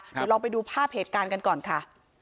เดี๋ยวลองไปดูภาพเหตุการณ์กันก่อนค่ะ